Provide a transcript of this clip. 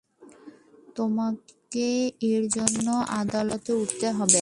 তোমাকে এরজন্য আদালতেও উঠতে হবে।